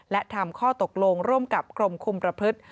และทำข้อตกลงร่วมกับกรมคุมประพฤติ